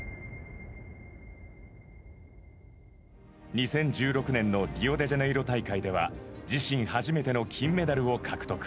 ２０１６年のリオデジャネイロ大会では自身初めての金メダルを獲得。